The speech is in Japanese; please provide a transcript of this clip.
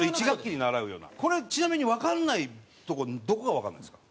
これちなみにわかんないとこどこがわかんないですか？